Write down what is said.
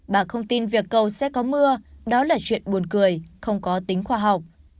bà không tin việc cầu sẽ có mưa đó là chuyện buồn cười không có tính khoa học